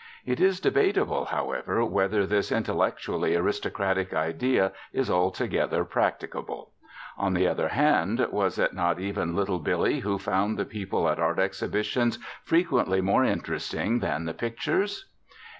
It is debatable, however, whether this intellectually aristocratic idea is altogether practicable. On the other hand, was it not even Little Billie who found the people at art exhibitions frequently more interesting than the pictures?